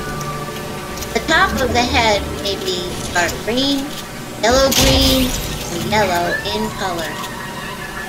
The top of the head maybe dark green, yellow-green or yellow in colour.